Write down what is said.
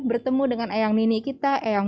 bertemu dengan eyang nini kita eyang